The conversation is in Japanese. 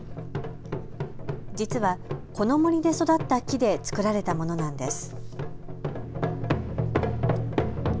実はこの森で育った木で作られたものなんです。